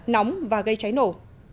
nóng và gây cháy nổ